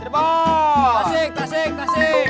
cerebon tasik tasik tasik